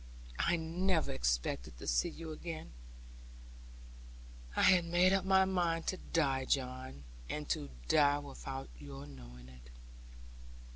'I never expected to see you again. I had made up my mind to die, John; and to die without your knowing it.'